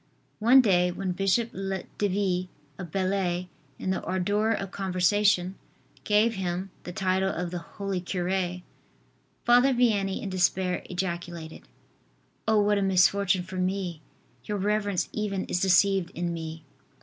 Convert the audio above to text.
One day, when Bishop Devie, of Belley, in the ardor of conversation, gave him the title of the "holy cure," Father Vianney in despair ejaculated: "Oh, what a misfortune for me! Your reverence even is deceived in me."